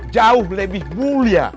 jauh lebih mulia